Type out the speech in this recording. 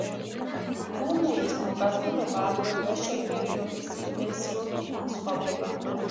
ბუმბულის მოკაზმულობა აგრეთვე შეფერილობის ინტენსივობით განსხვავდება.